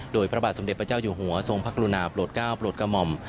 โดยพระบาทสมเด็จพระเจ้าอยู่หัวทรงพระกรุณาโปรดก้าวโปรดกระหม่อม